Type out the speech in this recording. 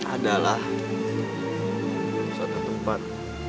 adalah di suatu tempat